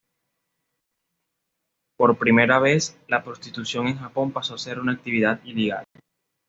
Por primera vez, la prostitución en Japón pasó a ser una actividad ilegal.